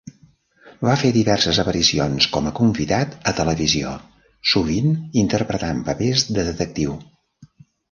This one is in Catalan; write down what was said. Va fer diverses aparicions com a convidat a televisió, sovint interpretant papers de detectiu.